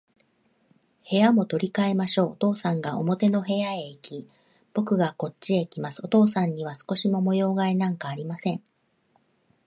部屋も取り変えましょう。お父さんが表の部屋へいき、ぼくがこっちへきます。お父さんには少しも模様変えなんかありません。